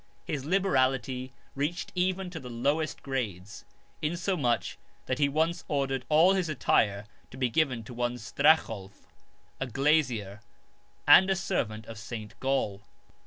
His liberality reached even to the lowest grades : insomuch that he once ordered all his attire to be given to one Stracholf, a glazier, and a servant of Saint Gall.